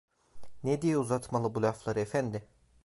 Ne diye uzatmalı bu lafları, efendi!